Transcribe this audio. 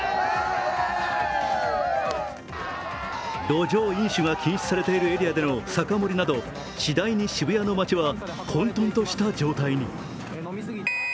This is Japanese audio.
路上飲酒が禁止されているエリアでの酒盛りなど次第に渋谷の街は混とんとした状態に。